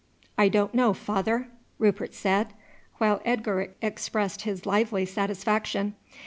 "I don't know, father," Rupert said; while Edgar expressed his lively satisfaction.